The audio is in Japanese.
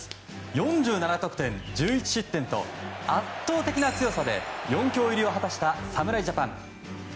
４７得点１１失点と圧倒的な強さで４強入りを果たした侍ジャパン。